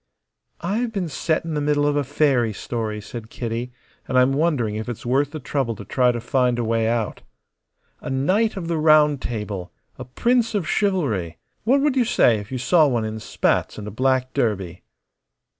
"I've been set in the middle of a fairy story," said Kitty, "and I'm wondering if it's worth the trouble to try to find a way out. A Knight of the Round Table, a prince of chivalry. What would you say if you saw one in spats and a black derby?"